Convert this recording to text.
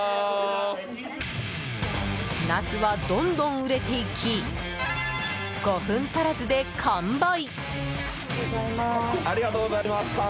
ナスはどんどん売れていき５分足らずで完売。